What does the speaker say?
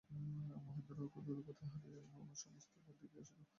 মহেন্দ্র তখন দ্রুতপদে বাহির হইয়া বাড়ির সমস্ত ঘর দেখিয়া আসিল।